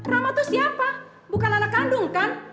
rama itu siapa bukan anak kandung kan